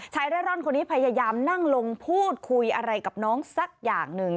เร่ร่อนคนนี้พยายามนั่งลงพูดคุยอะไรกับน้องสักอย่างหนึ่ง